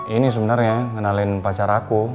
ini sebenarnya ngenalin pacar aku